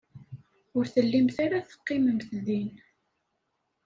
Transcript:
Ur tellimt ara teqqimemt din.